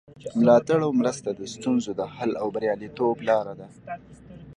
ملاتړ او مرسته د ستونزو د حل او بریالیتوب لاره ده.